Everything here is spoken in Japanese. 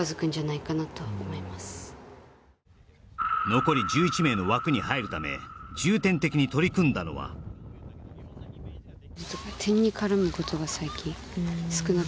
残り１１名の枠に入るため重点的に取り組んだのは・うまい！